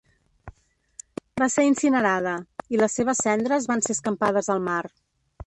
Va ser incinerada; i les seves cendres van ser escampades al mar.